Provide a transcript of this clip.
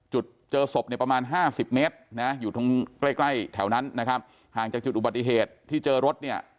จุดเจอศพประมาณห้าสิบเมตรอยู่ใกล้แถวนั้นนะครับห่างจากจุดอุบัติเหตุที่เจอรถเนี่ย